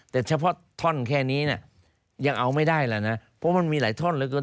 แต่เฉพาะท่อนแค่นี้นะยังเอาไม่ได้แล้วนะเพราะมันมีหลายท่อนเหลือเกิน